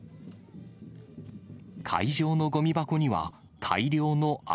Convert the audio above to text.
会場のごみ箱には、大量のア